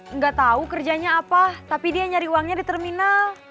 enggak tahu kerjanya apa tapi dia nyari uangnya di terminal